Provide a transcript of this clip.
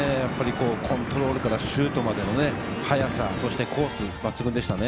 コントロールからシュートまで速さ、コース、抜群でしたね。